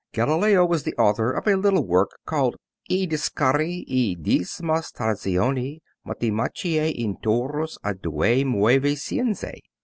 Galileo was the author of a little work called "I Discarsi e Dimas Trazioni Matematiche Intorus a Due Muove Scienze."